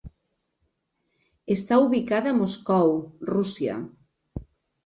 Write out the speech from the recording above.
Està ubicada a Moscou, Rússia.